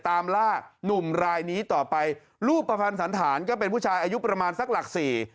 ตามล่านุ่มรายนี้ต่อไปรูปประพันธ์สันฐานก็เป็นผู้ชายอายุประมาณสักหลักสี่